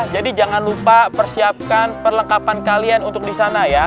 jadi jangan lupa persiapkan perlengkapan kalian untuk di sana ya